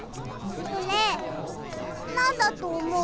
これなんだとおもう？